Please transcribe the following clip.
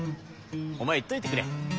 お前言っといてくれ。